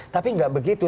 tapi tidak begitu